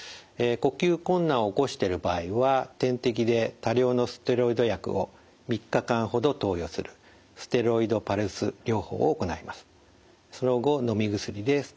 呼吸困難を起こしてる場合は点滴で多量のステロイド薬を３日間ほど投与するステロイドパルス療法を行います。